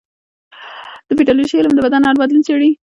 د پیتالوژي علم د بدن هر بدلون څېړي.